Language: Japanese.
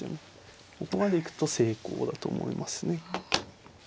ここまで行くと成功だと思いますね。